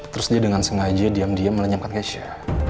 terus dia dengan sengaja diam diam melenyamkan keisha